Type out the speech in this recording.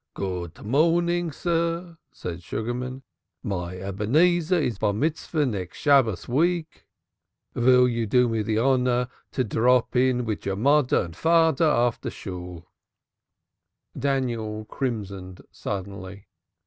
"Good morning, sir," said Sugarman. "My Ebenezer is Barmitzvah next Shabbos week; vill you do me the honor to drop in wid your moder and fader after Shool?" Daniel crimsoned suddenly.